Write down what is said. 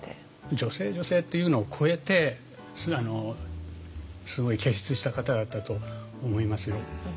女性女性っていうのを超えてすごい傑出した方だったと思いますよ。